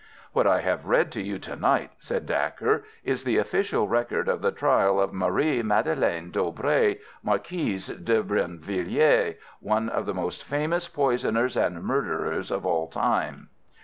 "What I have read to you to night," said Dacre, "is the official record of the trial of Marie Madeleine d'Aubray, Marquise de Brinvilliers, one of the most famous poisoners and murderers of all time."